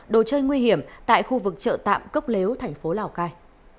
đồ chơi nguy hiểm tại khu vực chợ tạm cốc lếu thành phố lào cai